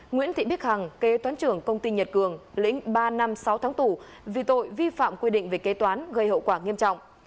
nguyễn thị bích hằng kế toán trưởng công ty nhật cường lĩnh ba năm sáu tháng tù vì tội vi phạm quy định về kế toán gây hậu quả nghiêm trọng